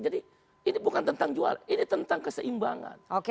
jadi ini bukan tentang jualan ini tentang keseimbangan